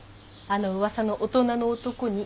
あの噂の大人の男に。